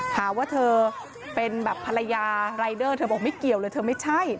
หาว่าเธอเป็นแบบภรรยารายเดอร์เธอบอกไม่เกี่ยวเลยเธอไม่ใช่